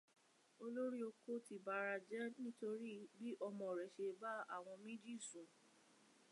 Olórí Oko ti barajẹ́ nitórí bí ọmọ rẹ̀ ṣé bá àwọn méjì sùn